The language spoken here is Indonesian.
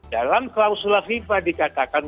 dalam klausula fifa dikatakan